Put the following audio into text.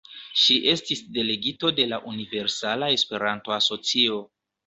Ŝi estis delegito de la Universala Esperanto-Asocio.